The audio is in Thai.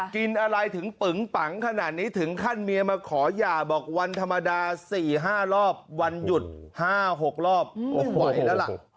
กินอะไรถึงปึงปังขนาดนี้ถึงขั้นเมียมาขอหย่าบอกวันธรรมดา๔๕รอบวันหยุด๕๖รอบโอ้โหไหวแล้วล่ะ